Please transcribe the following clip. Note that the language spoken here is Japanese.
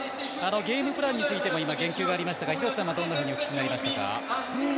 ゲームプランについても言及がありましたが廣瀬さんは、どんなふうにおき聞きなりましたか？